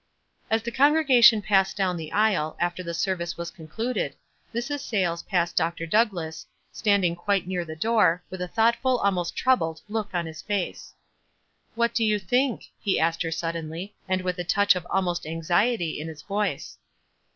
As the congregation passed down the aisle, after the service was concluded, Mrs. Sayles passed Dr. Douglass, standing quite near the door, with a thoughtful, almost troubled, look on his face. w What do you think? * he asked her sudden ly, and with a touch of almost anxiety in his voice.